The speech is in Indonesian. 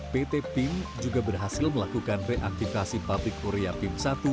pt pim juga berhasil melakukan reaktivasi pabrik korea pim satu